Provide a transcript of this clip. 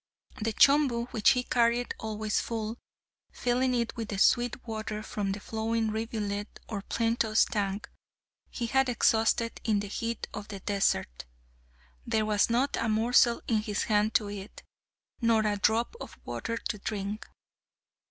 The chombu, which he carried always full, filling it with the sweet water from the flowing rivulet or plenteous tank, he had exhausted in the heat of the desert. There was not a morsel in his hand to eat; nor a drop of water to drink.